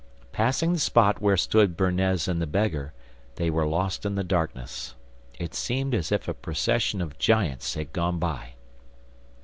Passing the spot where stood Bernez and the beggar, they were lost in the darkness. It seemed as if a procession of giants had gone by.